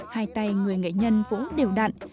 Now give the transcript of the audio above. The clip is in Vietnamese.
hai tay người nghệ nhân vỗ đều đặn